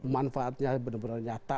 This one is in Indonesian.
manfaatnya benar benar nyata